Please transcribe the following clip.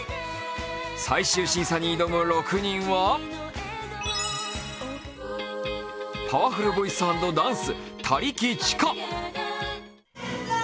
最終審査に挑む６人は、パワフルボイス＆ダンス他力千佳。